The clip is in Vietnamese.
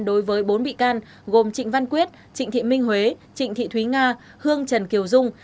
đối với bốn bị can gồm trịnh văn quyết trịnh thị minh huế trịnh thị thúy nga hương trần kiều dung